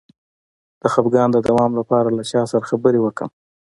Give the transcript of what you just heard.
د خپګان د دوام لپاره له چا سره خبرې وکړم؟